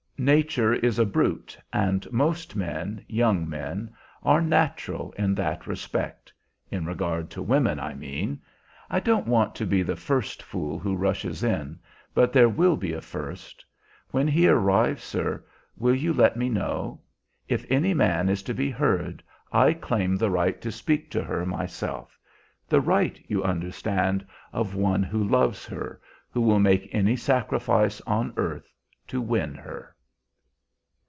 Nature is a brute, and most men, young men, are natural in that respect, in regard to women, I mean. I don't want to be the first fool who rushes in, but there will be a first. When he arrives, sir, will you let me know? If any man is to be heard, I claim the right to speak to her myself; the right, you understand, of one who loves her, who will make any sacrifice on earth to win her."